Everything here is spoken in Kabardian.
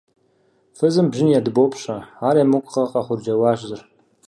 – Фызым бжьын ядыбопщӀэ, ар емыкӀукъэ? – къехъурджэуащ зыр.